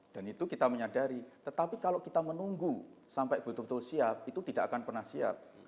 itu kita menyadari tetapi kalau kita menunggu sampai betul betul siap itu tidak akan pernah siap